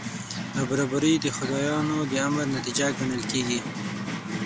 نابرابري د خدایانو د امر نتیجه ګڼل کېږي.